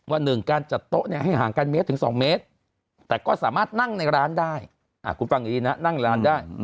ว่า๑การจัดโต๊ะเนี่ยให้ห่างกันเมตรถึง๒เมตรแต่ก็สามารถนั่งในร้านได้คุณฟังดีนะนั่งร้านได้